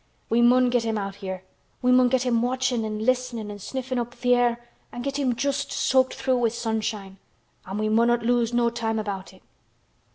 we mun get him out here—we mun get him watchin' an listenin' an' sniffin' up th' air an' get him just soaked through wi' sunshine. An' we munnot lose no time about it."